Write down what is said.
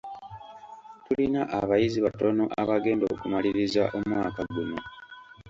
Tulina abayizi batono abagenda okumaliriza omwaka guno.